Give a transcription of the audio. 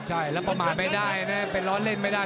ใช่แล้วประมาทไม่ได้นะเป็นล้อเล่นไม่ได้